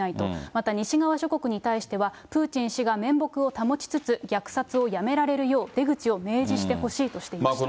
また西側諸国に対しては、プーチン氏が面目を保ちつつ虐殺をやめられるよう出口を明示してほしいとしていました。